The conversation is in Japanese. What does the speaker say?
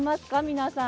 皆さん。